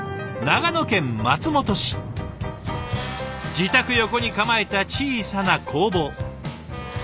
自宅横に構えた小さな工房。